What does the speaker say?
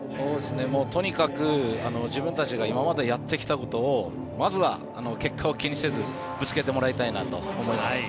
とにかく自分たちが今までやってきたことをまずは結果を気にせずぶつけてもらいたいなと思います。